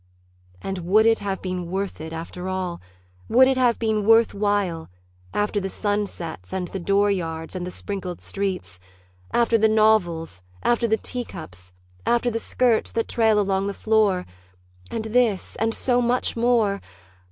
And would it have been worth it, after all, Would it have been worth while, After the sunsets and the dooryards and the sprinkled streets, After the novels, after the teacups, after the skirts that trail along the floor And this, and so much more?